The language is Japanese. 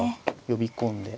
呼び込んで。